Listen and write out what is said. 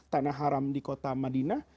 tanah haram di kota madinah